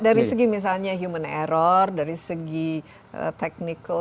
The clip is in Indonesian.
dari segi misalnya human error dari segi technical